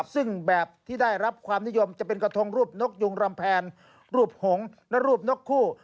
ซึ่งแบบที่ได้รับความนิยมจะเป็นกระทงรูปนกยุงรำแพนรูปหงษ์และรูปนกคู่